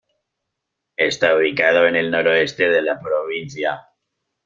Está ubicado en el noroeste de la provincia.